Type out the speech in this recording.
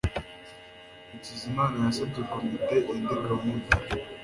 hakizimana yasabye komite indi gahunda